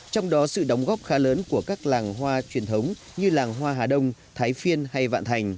trong đó sự đóng góp khá lớn của các làng hoa truyền thống như làng hoa hà đông thái phiên hay vạn thành